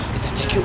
kita cek yuk